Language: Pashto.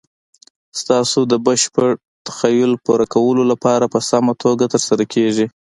ستاسو د بشپړ تخیل پوره کولو لپاره په سمه توګه تر سره کیږي.